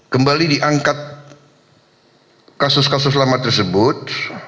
kembali diangkat kasus kasus lama tersebut